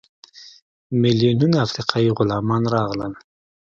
میلیونونه افریقایي غلامان راغلل.